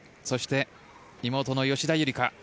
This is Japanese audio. そして、妹の吉田夕梨花